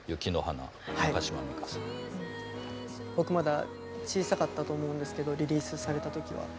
僕まだ小さかったと思うんですけどリリースされた時は。